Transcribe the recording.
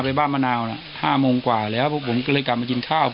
บ้านมะนาวน่ะ๕โมงกว่าแล้วพวกผมก็เลยกลับมากินข้าว